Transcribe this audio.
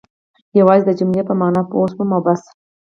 یوازې د جملې په معنا پوه شوم او بس.